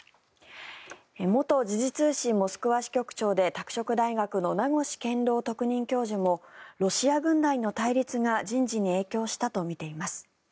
元時事通信モスクワ支局長で拓殖大学の名越健郎特任教授もロシア軍内の対立が人事に影響したとみています。